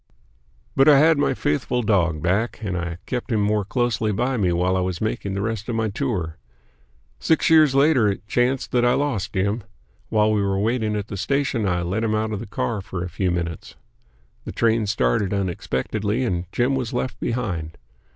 But I had my faithful dog back, and I kept him more closely by me while I was making the rest of my tour. Six years later it chanced that I lost Jim. While we were waiting at a station, I let him out of the car for a few minutes. The train started unexpectedly and Jim was left behind.